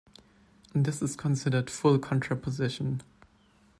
This is considered full contraposition.